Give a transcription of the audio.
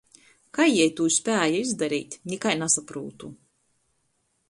Kai jei tū spēja izdareit, nikai nasaprūtu.